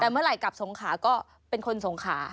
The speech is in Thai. แต่เมื่อไหร่กลับสงขาก็เป็นคนสงขา